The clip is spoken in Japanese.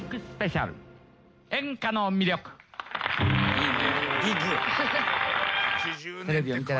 いいね。